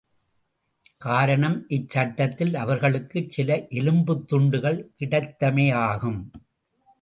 காரணம் இச்சட்டத்தில் அவர்களுக்குச் சில எலும்புத்துண்டுகள் கிடைத்தமையாகும்.